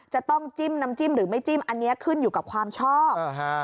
จะต้องจิ้มน้ำจิ้มหรือไม่จิ้มอันนี้ขึ้นอยู่กับความชอบ